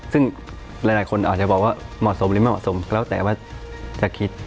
ซึ่งหลายคนอาจจะบอกว่าเหมาะสมหรือไม่เหมาะสมแล้วแต่ว่าจะคิด